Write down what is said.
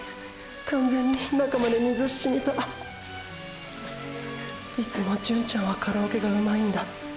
完全に中まで水浸みたいつも純ちゃんはカラオケが上手いんだ。